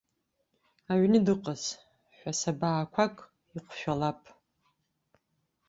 Аҩны дыҟаз, ҳәасабаақәак иҟәшәалап.